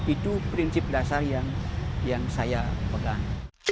itu prinsip dasar yang saya pegang